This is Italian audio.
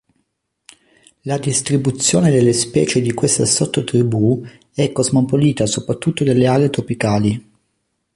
La distribuzione delle specie di questa sottotribù è cosmopolita soprattutto delle aree tropicali.